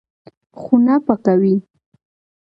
خونه پاکوي.